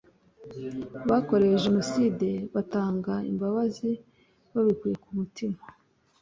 Abakorewe Jenoside batanga imbabazi babikuye ku mutima